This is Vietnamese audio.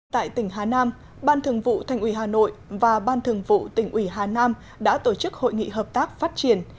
tại tỉnh hà nam ban thường vụ thành ủy hà nội và ban thường vụ tỉnh ủy hà nam đã tổ chức hội nghị hợp tác phát triển